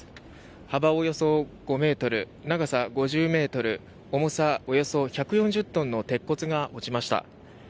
幅およそ４ｍ、長さ５０ｍ重さおよそ１４０トンの鉄骨が落ちました。